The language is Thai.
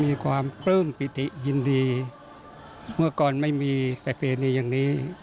มีความปลื้มปิติยินดีเมื่อก่อนไม่มีประเพณีอย่างนี้